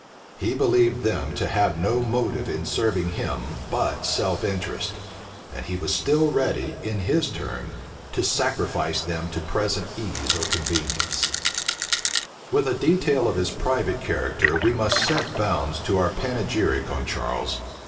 He believed them to have no motive in serving him but self interest; and he was still ready, in his turn, to sacrifice them to present ease or convenience. * Duke of Buckingham. With a detail of his private character we must set bounds to our panegyric on Charles.